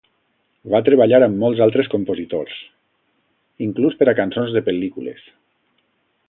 Va treballar amb molts altres compositors, inclús per a cançons de pel·lícules.